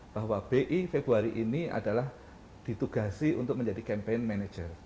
bahwa bi februari ini adalah ditugasi untuk menjadi campaign manager